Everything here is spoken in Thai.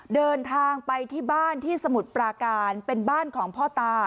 เดินทางไปที่บ้านที่สมุทรปราการเป็นบ้านของพ่อตา